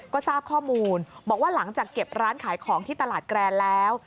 ก็ทราบข้อมูลบอกว่าหลังจากเก็บร้านขายของที่ตลาดแกรนแล้ว